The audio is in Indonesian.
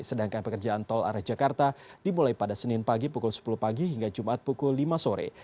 sedangkan pekerjaan tol arah jakarta dimulai pada senin pagi pukul sepuluh pagi hingga jumat pukul lima sore